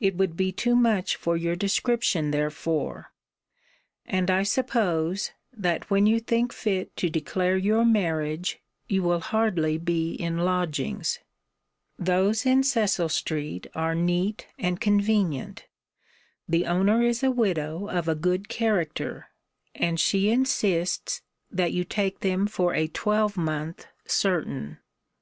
It would be too much for your description therefore: and I suppose, that when you think fit to declare your marriage, you will hardly be in lodgings. Those in Cecil street are neat and convenient. The owner is a widow of a good character; and she insists, that you take them for a twelvemonth certain.